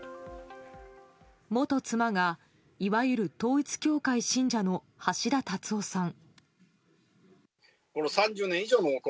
元妻がいわゆる統一教会信者の橋田達夫さん。